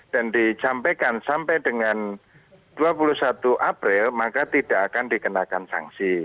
dan dicampaikan sampai dengan dua puluh satu april maka tidak akan dikenakan sanksi